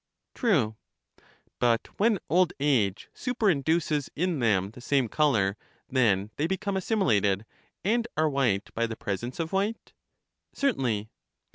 True. But when old age superinduces in them the same color, then they become assimilated, and are white by the presence of white. Certainly.